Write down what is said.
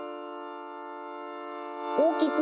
大きく！